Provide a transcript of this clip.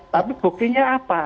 tapi buktinya apa